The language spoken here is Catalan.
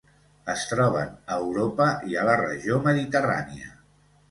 Es troben a Europa i a la regió mediterrània.